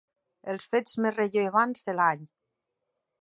El fets més rellevants de l'any.